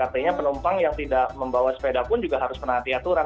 artinya penumpang yang tidak membawa sepeda pun juga harus menaati aturan